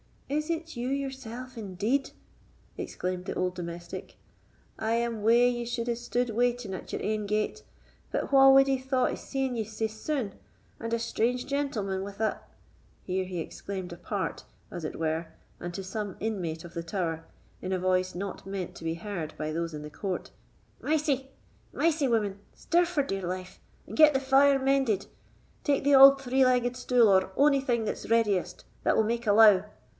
—is it you yourself, indeed?" exclaimed the old domestic. "I am wae ye suld hae stude waiting at your ain gate; but wha wad hae thought o' seeing ye sae sune, and a strange gentleman with a—(Here he exclaimed apart, as it were, and to some inmate of the tower, in a voice not meant to be heard by those in the court)—Mysie—Mysie, woman! stir for dear life, and get the fire mended; take the auld three legged stool, or ony thing that's readiest that will make a lowe.